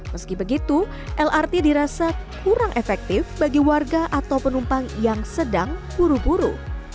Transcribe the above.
meski begitu lrt dirasa kurang efektif bagi warga atau penumpang yang sedang buru buru